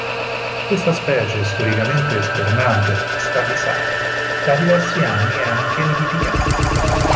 Questa specie, storicamente svernante negli stagni sardi, da diversi anni è anche nidificante.